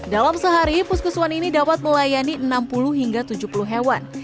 dalam sehari puskusuan ini dapat melayani enam puluh hingga tujuh puluh hewan